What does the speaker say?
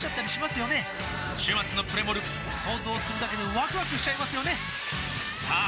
週末のプレモル想像するだけでワクワクしちゃいますよねさあ